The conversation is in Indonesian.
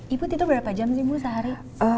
ibu tito berapa jam sih ibu sehari